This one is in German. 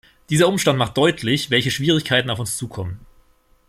Dieser Umstand macht deutlich, welche Schwierigkeiten auf uns zukommen.